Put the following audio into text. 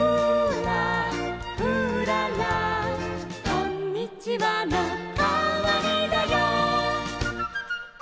「こんにちはのかわりだよ」